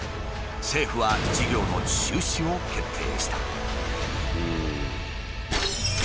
政府は事業の中止を決定した。